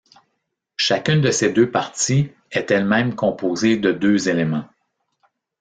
Chacune de ces deux parties est elle-même composée de deux éléments.